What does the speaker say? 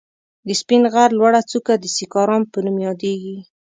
د سپين غر لوړه څکه د سيکارام په نوم ياديږي.